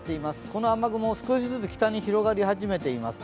その雨雲、少しずつ北に広がり始めています。